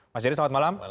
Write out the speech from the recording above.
mas jerry selamat malam